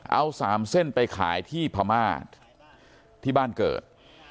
เอา๓เส้นไปขายที่พม่าที่บ้านเกิด